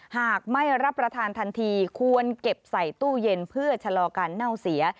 หากไม่รับประทานทันทีควรเก็บใส่ตู้เย็นเพื่อชะลอการเน่าเสีย